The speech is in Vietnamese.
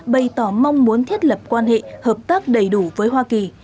bày tỏ mong muốn thiết lập quan hệ hợp tác đầy đủ với hoa kỳ